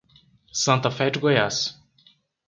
Santa Fé de Goiás